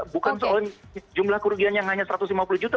bukan soal jumlah kerugian yang hanya satu ratus lima puluh juta